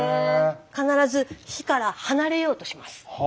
必ず火から離れようとします。